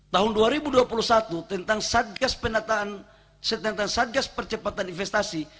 tahun dua ribu dua puluh satu tentang satgas penataan tentang satgas percepatan investasi